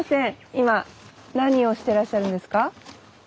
今何をしてらっしゃるんですか？